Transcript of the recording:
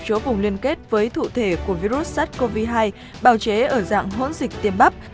chúa cùng liên kết với cụ thể của virus sars cov hai bào chế ở dạng hỗn dịch tiêm bắp